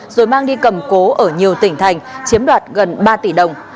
rồi mang đi cầm cố ở nhiều tỉnh thành chiếm đoạt gần ba tỷ đồng